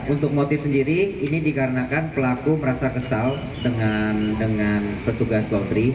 untuk motif sendiri ini dikarenakan pelaku merasa kesal dengan petugas law free